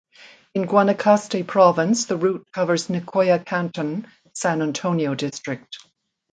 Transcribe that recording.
In Guanacaste province the route covers Nicoya canton (San Antonio district).